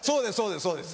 そうです